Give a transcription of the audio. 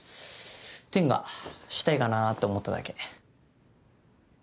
てんがしたいかなぁって思っただけ。